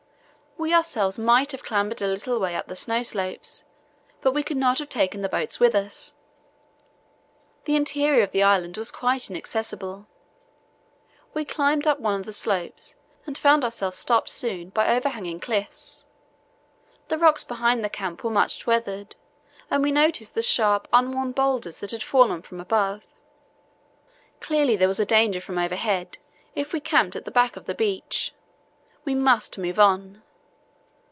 We ourselves might have clambered a little way up the snow slopes, but we could not have taken the boats with us. The interior of the island was quite inaccessible. We climbed up one of the slopes and found ourselves stopped soon by overhanging cliffs. The rocks behind the camp were much weathered, and we noticed the sharp, unworn boulders that had fallen from above. Clearly there was a danger from overhead if we camped at the back of the beach. We must move on.